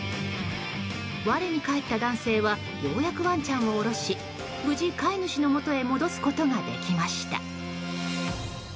我に返った男性はようやくワンちゃんを下ろし無事、飼い主のもとへ戻すことができました。